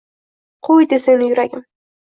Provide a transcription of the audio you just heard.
Qo’ydi seni yuragim.